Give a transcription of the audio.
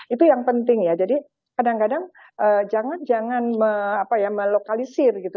itu yang penting ya jadi kadang kadang jangan melokalisir gitu